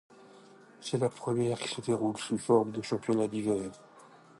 C'est la première qui se déroule sous forme de championnat d'hiver.